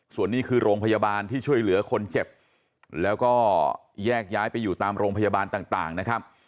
ส่วนนี้คือโรงพยาบาลที่ช่วยเหลือคนเจ็บแล้วก็แยกย้ายไปอยู่ตามโรงพยาบาลต่างนะครับ